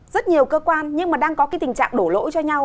rất nhiều cơ quan nhưng mà đang có cái tình trạng đổ lỗi cho nhau